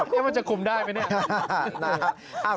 นี่มันจะคุมได้ไหมเนี่ย